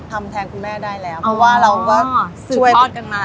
ทำแทนคุณแม่ได้แล้วเพราะว่าเราก็สืบทอดกันมา